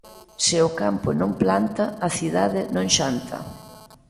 Se o campo non planta, a cidade non xanta